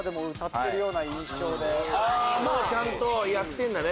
ちゃんとやってんだね。